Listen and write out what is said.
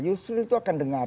yusril itu akan dengar